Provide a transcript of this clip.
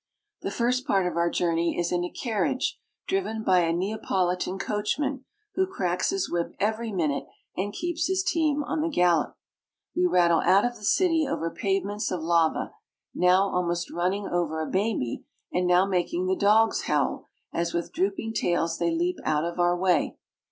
The first part of our journey is in a carriage driven by a Neapolitan coachman, who cracks his whip every minute and keeps his team on the gallop. We rattle out of the city over pavements of lava, now almost running over a baby, and now making the dogs howl, as with drooping tails they leap out of our way.